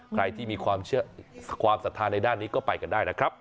ใครที่มีความเชื่อความสัมภาพในด้านนี้ก็ไปกันได้นะครับ